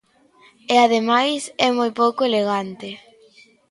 E, ademais, é moi pouco elegante.